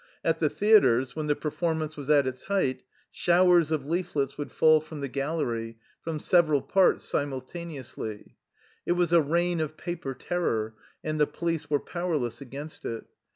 At the theaters, when the perform ance was at its height, showers of leaflets would fall from the gallery, from several parts si multaneously. It was a reign of paper terror, and the police were powerless against it.